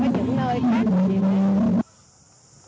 và có những nơi khác